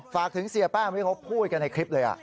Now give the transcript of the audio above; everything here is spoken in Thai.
ฝากถึงเสียแป้งที่เขาพูดกันในคลิปเลย